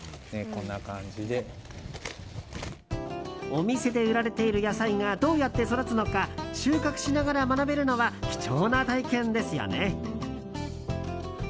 お店で売られている野菜がどうやって育つのか収穫しながら学べるのは貴重な体験ですよね。